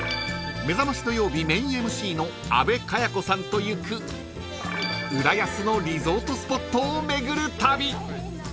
『めざましどようび』メインＭＣの阿部華也子さんと行く浦安のリゾートスポットを巡る旅］